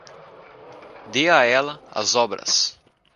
Dê a ela as obras.